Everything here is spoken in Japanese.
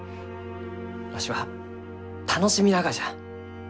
わしは楽しみながじゃ。